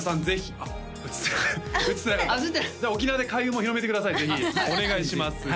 ぜひお願いします